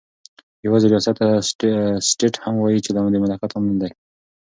يوازي رياست ته سټيټ هم وايي چې دا دمملكت عام نوم دى